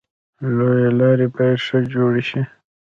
لویې لارې باید ښه جوړې شي.